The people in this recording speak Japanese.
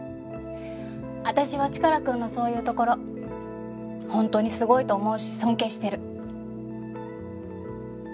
私はチカラくんのそういうところ本当にすごいと思うし尊敬してる。